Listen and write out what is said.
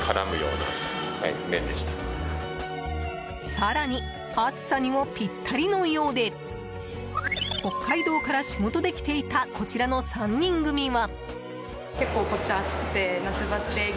更に暑さにもぴったりのようで北海道から仕事で来ていたこちらの３人組は。